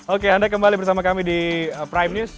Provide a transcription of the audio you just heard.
oke anda kembali bersama kami di prime news